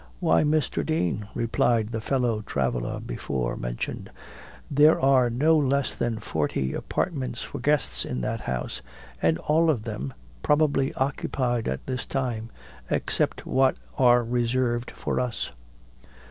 "Why, Mr. Dean," replied the fellow traveller before mentioned, "there are no less than forty apartments for guests in that house, and all of them probably occupied at this time, except what are reserved for us."